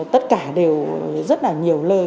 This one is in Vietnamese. tất cả đều rất là nhiều lời